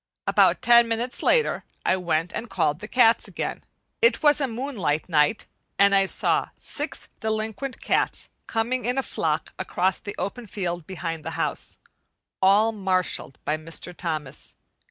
About ten minutes later I went and called the cats again. It was a moonlight night and I saw six delinquent cats coming in a flock across the open field behind the house, all marshalled by Mr. Thomas.